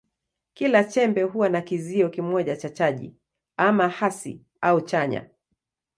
Kila chembe huwa na kizio kimoja cha chaji, ama hasi au chanya.